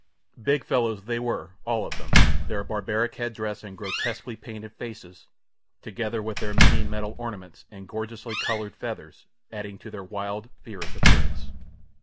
Big fellows they were, all of them, their barbaric headdresses and grotesquely painted faces, together with their many metal ornaments and gorgeously coloured feathers, adding to their wild, fierce appearance.